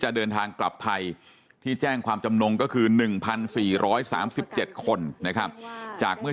เดินทางกลับไทยที่แจ้งความจำนงก็คือ๑๔๓๗คนนะครับจากเมื่อ